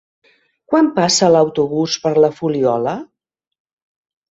Quan passa l'autobús per la Fuliola?